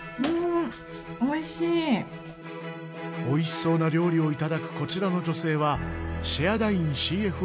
おいしそうな料理をいただくこちらの女性はシェアダイン